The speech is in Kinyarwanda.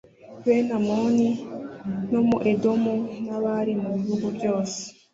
bene Amoni no mu Edomu n abari mu bihugu byose